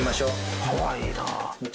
かわいいなあ。